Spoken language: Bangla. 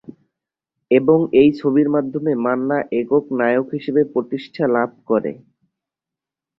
এবং এই ছবির মাধ্যমে মান্না একক নায়ক হিসেবে প্রতিষ্ঠা লাভ করে।